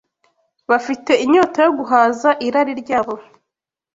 bafite inyota yo guhaza irari ryabo